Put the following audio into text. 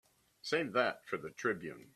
Save that for the Tribune.